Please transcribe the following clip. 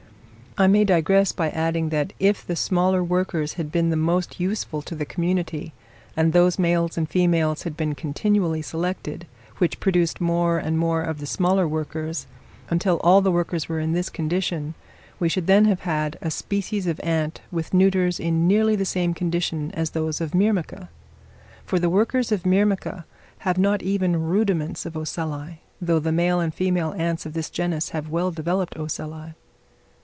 I may digress by adding, that if the smaller workers had been the most useful to the community, and those males and females had been continually selected, which produced more and more of the smaller workers, until all the workers were in this condition; we should then have had a species of ant with neuters in nearly the same condition as those of Myrmica. For the workers of Myrmica have not even rudiments of ocelli, though the male and female ants of this genus have well developed ocelli.